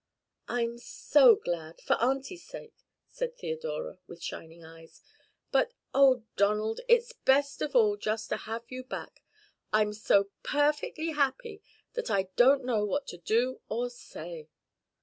"I'm so glad for Auntie's sake," said Theodora, with shining eyes. "But, oh, Donald, it's best of all just to have you back. I'm so perfectly happy that I don't know what to do or say."